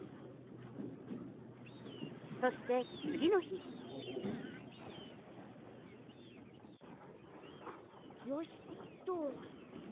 そしてつぎのひよしっと。